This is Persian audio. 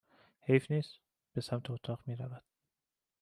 حیف نیس؟ به سمت اتاق می رود